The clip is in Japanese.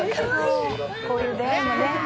「こういう出会いもね